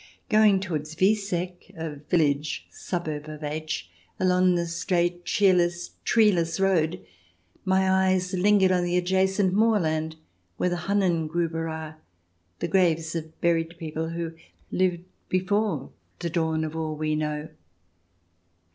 Going towards Wieseck, a village suburb of H , along the straight, cheerless, treeless road, my eyes lingered on the adjacent moorland, where the Hunnen grdber are — the graves of buried people who lived before the dawn of all we know.